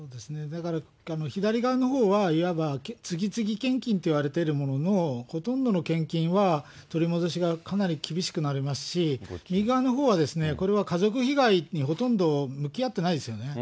だから左側のほうはいわば次々献金と言われてるものの、ほとんどの献金は取り戻しがかなり厳しくなりますし、右側のほうは、これは家族被害にほとんど向き合っていないですよね。